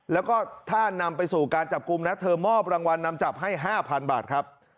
แล้วก็ถ้านำไปสู่การจับกลุ่มนะเธอมอบรางวัลนำจับให้๕๐๐๐บาทครับ